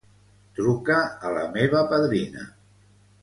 Truca a la meva padrina.